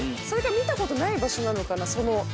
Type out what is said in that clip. それか見たことない場所なのかな。